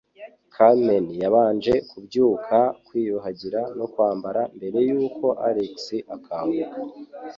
Carmen yabanje kubyuka, kwiyuhagira no kwambara mbere yuko Alex akanguka.